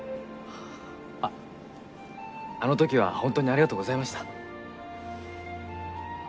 あっあの時は本当にありがとうございました。